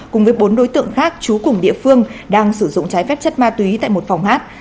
cùng với bốn đối tượng khác chú cùng địa phương đang sử dụng trái phép chất ma túy tại một phòng hát